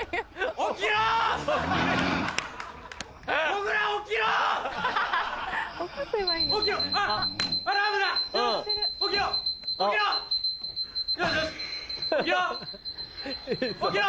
起きろ！